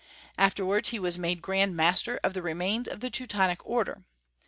Afterwards he was made Grand Master of the remains of the Teutonic Order.